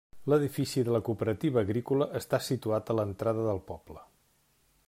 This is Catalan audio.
L'edifici de la cooperativa agrícola està situat a l'entrada del poble.